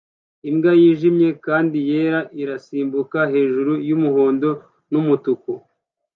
Imbwa yijimye kandi yera irasimbuka hejuru yumuhondo numutuku